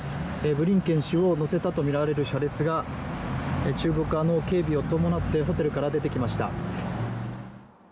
ブリンケン氏を乗せたとみられる車列が中国側の警備を伴ってホテルから出てきました。